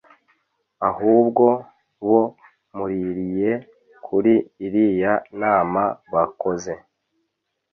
ahubwo bo muririye kuri iriya nama bakoze